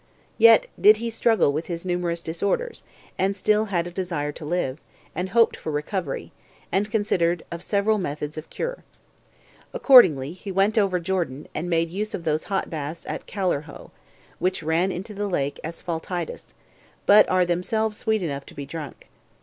Yet did he struggle with his numerous disorders, and still had a desire to live, and hoped for recovery, and considered of several methods of cure. Accordingly, he went over Jordan, and made use of those hot baths at Callirrhoe, which ran into the lake Asphaltites, but are themselves sweet enough to be drunk.